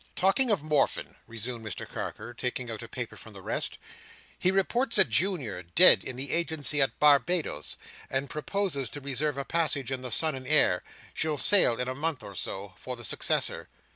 "Talking of Morfin," resumed Mr Carker, taking out one paper from the rest, "he reports a junior dead in the agency at Barbados, and proposes to reserve a passage in the Son and Heir—she'll sail in a month or so—for the successor.